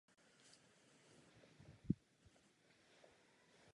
Dostavba lodi proběhla podle upraveného projektu v podobě lehkého křižníku.